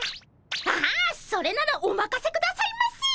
ああそれならおまかせくださいませ！